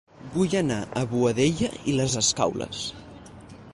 Vull anar a Boadella i les Escaules